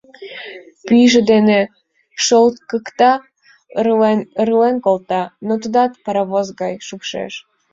Пӱйжӧ дене шолткыкта, ырлен-ырлен колта, но тудат паровоз гай шупшеш.